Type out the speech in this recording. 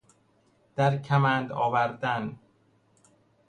در کمند آوردن